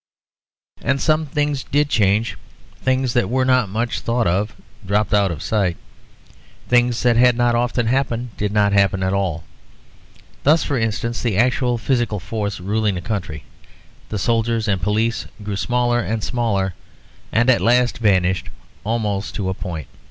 And some things did change. Things that were not much thought of dropped out of sight. Things that had not often happened did not happen at all. Thus, for instance, the actual physical force ruling the country, the soldiers and police, grew smaller and smaller, and at last vanished almost to a point.